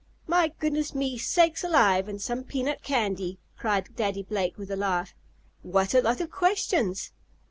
"My goodness me sakes alive, and some peanut candy!" cried Daddy Blake with a laugh. "What a lot of questions!"